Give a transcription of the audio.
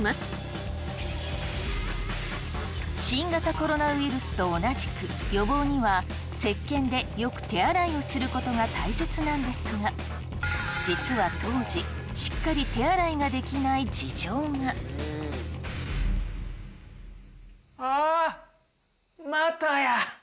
新型コロナウイルスと同じく予防には石けんでよく手洗いをすることが大切なんですが実は当時しっかり手洗いができない事情が。ああ！